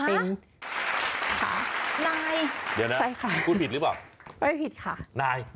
เดี๋ยวนะพูดผิดหรือเปล่าไม่ผิดค่ะนาย